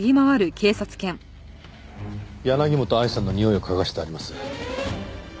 柳本愛さんのにおいを嗅がせてあります。